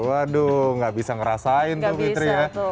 waduh gak bisa ngerasain tuh fitri ya